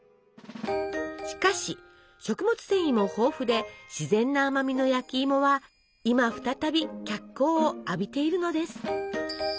しかし食物繊維も豊富で自然な甘みの焼きいもは今再び脚光を浴びているのです！